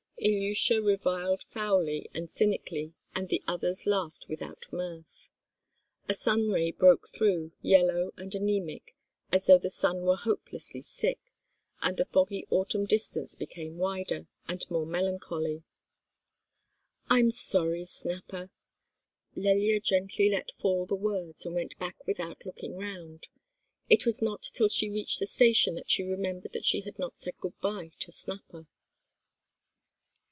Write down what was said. Ilyusha reviled foully and cynically, and the others laughed without mirth. A sunray broke through, yellow and anaemic, as though the sun were hopelessly sick; and the foggy Autumn distance became wider, and more melancholy. "I'm sorry, Snapper!" Lelya gently let fall the words, and went back without looking round. It was not till she reached the station that she remembered that she had not said good bye to Snapper.